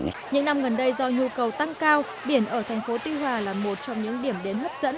những năm gần đây do nhu cầu tăng cao biển ở thành phố tuy hòa là một trong những điểm đến hấp dẫn